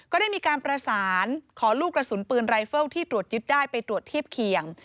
ก็ได้มีการประสานขอลูกกระสุนปืนรายเฟิลที่ตรวจยึดได้ไปตรวจเทียบเคียง